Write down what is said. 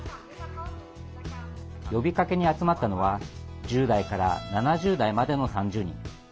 呼びかけに集まったのは１０代から７０代までの３０人。